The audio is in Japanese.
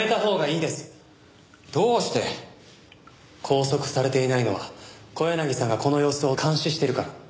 拘束されていないのは小柳さんがこの様子を監視しているから。